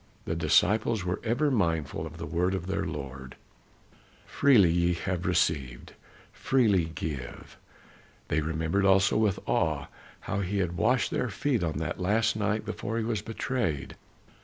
The disciples were ever mindful of the word of their Lord, "Freely ye have received, freely give." They remembered also with awe how he had washed their feet on that last night before he was betrayed.